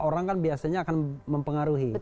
orang kan biasanya akan mempengaruhi